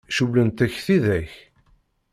Cewwlent-k tidak?